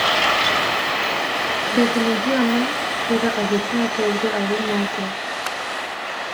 Bêgunehiya min têra avêtina kevirê ewil nake.